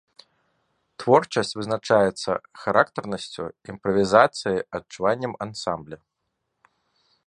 Творчасць вызначаецца характарнасцю, імправізацыяй, адчуваннем ансамбля.